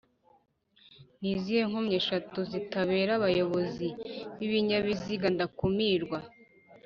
nizihe nkomyi eshatu zitareba abayobozi b’ibinyabiziga ndakumirwa